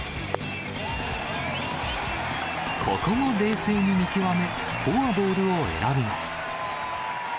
ここも冷静に見極め、フォアボールを選びます。